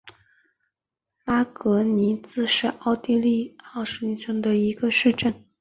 拉格尼茨是奥地利施蒂利亚州莱布尼茨县的一个市镇。